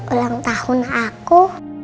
ulang tahun aku